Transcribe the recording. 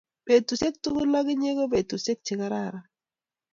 petusiek tugul ak inye ko petusiek che kararan